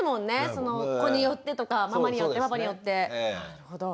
その子によってとかママによってパパによって。なるほど。